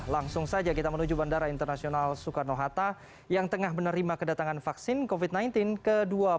langsung saja kita menuju bandara internasional soekarno hatta yang tengah menerima kedatangan vaksin covid sembilan belas ke dua puluh satu